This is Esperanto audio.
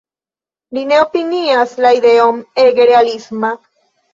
Li ne opinias la ideon ege realisma.